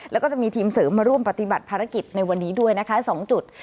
แล้วก็จะมีทีมเสริมมาร่วมปฏิบัติภารกิจในวันนี้ด้วยนะคะ๒จุด